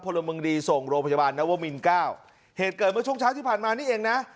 พลเมืองดีส่งโรงพยาบาลนวมินเก้าเหตุเกิดเมื่อช่วงเช้าที่ผ่านมานี่เองนะ